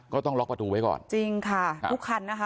ก็ต้องล็อกประตูไว้ก่อน